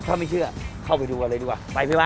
ถ้าไม่เชื่อเข้าไปดูกันเลยดีกว่า